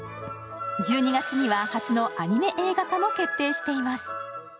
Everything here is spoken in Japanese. １２月には初のアニメ映画化も決定しています。